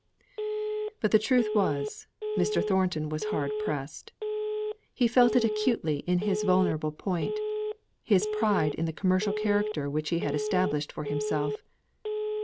But the truth was, Mr. Thornton was hard pressed. He felt it acutely in his vulnerable point his pride in the commercial character which he had established for himself.